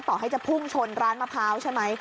ต่อให้จะพุ่งชนร้านมะพร้าวใช่ไหม